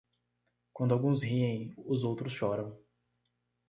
Quando alguns riem, os outros choram.